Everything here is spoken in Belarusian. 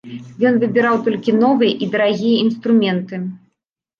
Ён выбіраў толькі новыя і дарагія інструменты.